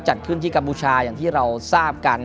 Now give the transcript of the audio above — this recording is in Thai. จัดขึ้นที่กัมพูชาอย่างที่เราทราบกัน